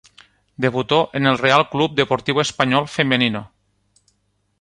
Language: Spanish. Debutó en el Real Club Deportivo Espanyol Femenino.